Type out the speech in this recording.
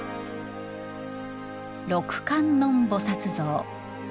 六観音菩薩像。